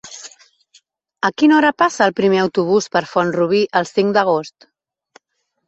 A quina hora passa el primer autobús per Font-rubí el cinc d'agost?